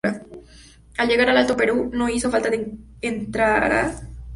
Al llegar al Alto Perú, no hizo falta que entraran en combate.